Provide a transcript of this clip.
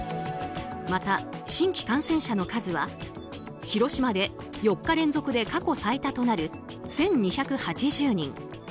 また、新規感染者の数は広島で４日連続で過去最多となる１２８０人。